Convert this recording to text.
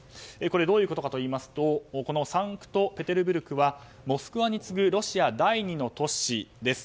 どういうことかといいますとサンクトペテルブルクはモスクワに次ぐロシア第２の都市です。